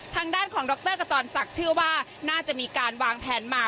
ทางด้านของดรกจรศักดิ์เชื่อว่าน่าจะมีการวางแผนมา